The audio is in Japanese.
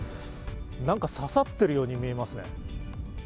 何か刺さってるように見えますね。